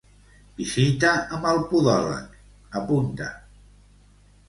Visita amb el podòleg, apunta.